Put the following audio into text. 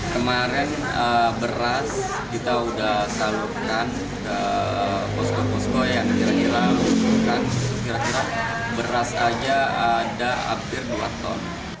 kemarin beras kita sudah salurkan ke posko posko yang kira kira beras aja ada hampir dua ton